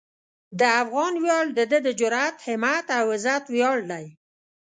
د افغان ویاړ د ده د جرئت، همت او عزت ویاړ دی.